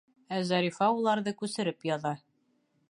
Ә Зарифа уларҙы күсереп яҙа.